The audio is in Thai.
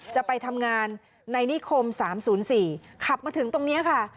จะไปทำงานในนิคม๓๐๔ขับมาถึงตรงนี้ค่ะ